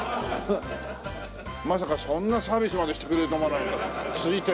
まさかそんなサービスまでしてくれるとは思わなかったな。